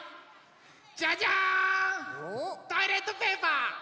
トイレットペーパー！